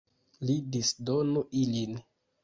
Li disdonu ilin.